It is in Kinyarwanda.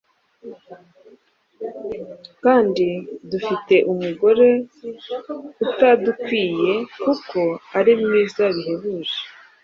kandi dufite umugore utadukwiye kuko ari mwiza bihebuje,